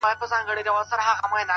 o عشق مي ژبه را ګونګۍ کړه,